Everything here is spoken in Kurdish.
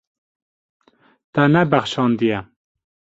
Te nebexşandiye.